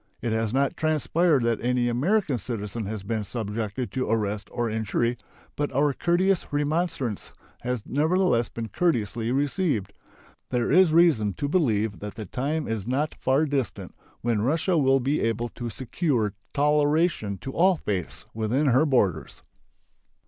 It has not transpired that any American citizen has been subjected to arrest or injury, but our courteous remonstrance has nevertheless been courteously received. There is reason to believe that the time is not far distant when Russia will be able to secure toleration to all faiths within her borders.